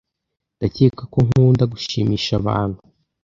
Ndakeka ko nkunda gushimisha abantu.